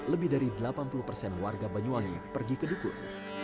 lebih dari delapan puluh persen warga banyuwangi pergi ke dukun